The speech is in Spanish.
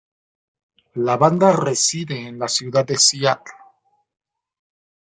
La banda reside en la ciudad de Seattle.